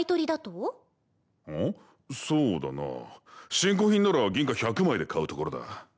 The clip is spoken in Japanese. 新古品なら銀貨１００枚で買うところだ。